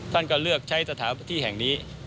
ท่านก็เลือกใช้สถานที่แห่งนี้